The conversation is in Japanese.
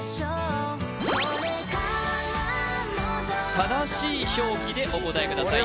正しい表記でお答えください